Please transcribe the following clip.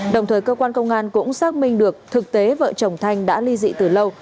đồng thời cơ quan công an cũng xác minh được thực tế vợ chồng thanh đã ly dị từ lâu